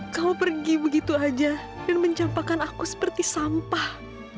kamu pergi begitu saja dan menjampakan aku seperti sampah